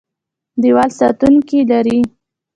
دیوال ساتونکي لري.